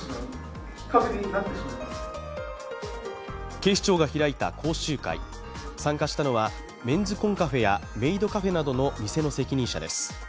警視庁が開いた講習会、参加したのはメンズ・コンカフェやメイドカフェなどの店の責任者です。